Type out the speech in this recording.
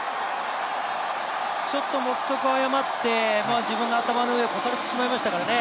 ちょっと目測を誤って、自分の頭の上を抜かれてしまいましたからね。